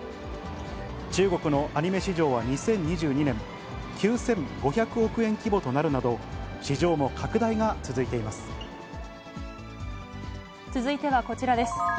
中国のアニメ市場は２０２２年、９５００億円規模となるなど、続いてはこちらです。